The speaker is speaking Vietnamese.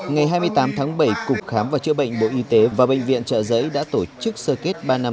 ngày hai mươi tám tháng bảy cục khám và chữa bệnh bộ y tế và bệnh viện trợ giấy đã tổ chức sơ kết ba năm